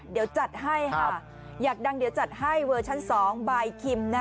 เดี๋ยวจัดให้ค่ะอยากดังเดี๋ยวจัดให้เวอร์ชั้น๒บายคิม